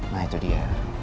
nah itu dia